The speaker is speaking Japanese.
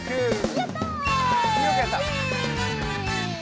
やった！